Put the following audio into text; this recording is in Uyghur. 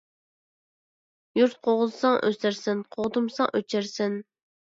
يۇرت قوغدىساڭ ئۆسەرسەن . قوغدىمىساڭ ئۆچەرسەن.